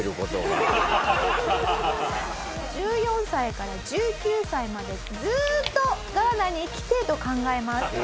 １４歳から１９歳まで。と考えます。